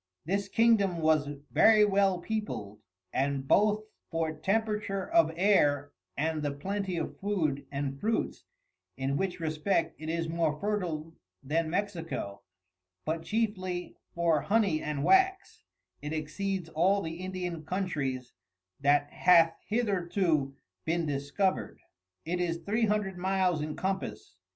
This Kingdom was very well peopled, and both for Temperature of Air, and the Plenty of Food and Fruits, in which respect it is more Fertile than Mexico, but chiefly for Hony and Wax, it exceeds all the Indian Countries that hath hitherto bin discover'd. It is Three Hundred Miles in Compass.